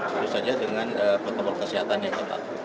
tentu saja dengan protokol kesehatan yang ketat